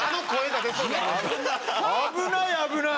危ない危ない！